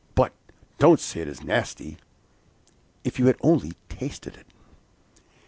But don't say it is nasty! If you had only tasted it!